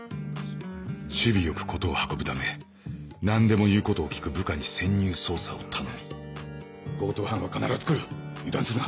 首尾よく事を運ぶため何でも言うことを聞く部下に潜入捜査を頼み強盗犯は必ず来る油断するな。